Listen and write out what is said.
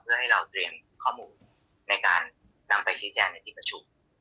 เพื่อให้เราเตรียมข้อมูลในการนำไปชี้แจงในที่ประชุม